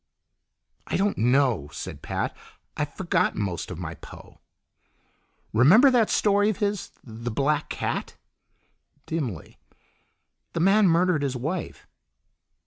"I don't know," said Pat. "I've forgotten most of my Poe." "Remember that story of his 'The Black Cat'?" "Dimly. The man murdered his wife."